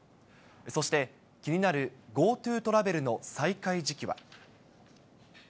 そして、気になるＧｏＴｏトラベルの再開時期は。